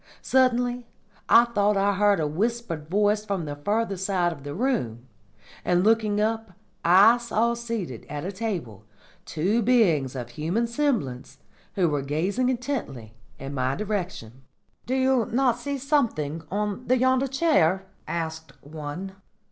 Suddenly I thought I heard a whispered voice from the further side of the room, and looking up I saw seated at a table two beings of human semblance, who were gazing intently in my direction. "'Do you not see something on yonder chair?' asked one.